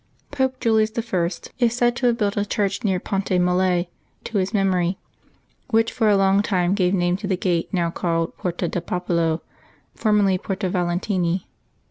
Pope Julius I. is said to 74 LIVES OF THE SAINTS [Februabt 15 have built a church near Ponte Mole to his memory, which for a long time gave name to the gate now called Porta del Popolo, formerly Porta Valentini.